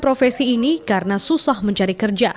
profesi ini karena susah mencari kerja